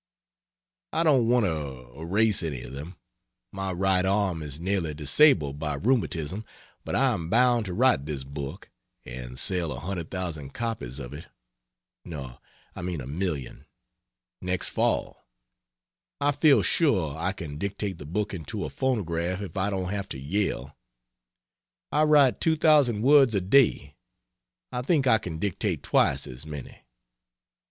I don't want to erase any of them. My right arm is nearly disabled by rheumatism, but I am bound to write this book (and sell 100,000 copies of it no, I mean a million next fall) I feel sure I can dictate the book into a phonograph if I don't have to yell. I write 2,000 words a day; I think I can dictate twice as many.